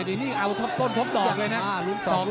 นี่นี่เอาก้นพบถอบเลยน่ะ